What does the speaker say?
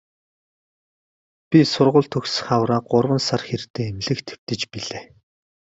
Би сургууль төгсөх хавраа гурван сар хэртэй эмнэлэгт хэвтэж билээ.